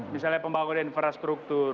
misalnya pembangunan infrastruktur